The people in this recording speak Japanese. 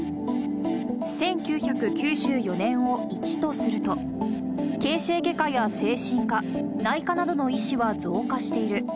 １９９４年を１とすると、形成外科や精神科、内科などの医師は増加している。